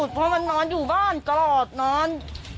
แต่นอนอยู่บ้านกรอบนอน